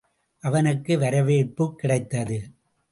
அவனுக்கு வரவேற்புக் கிடைத்தது.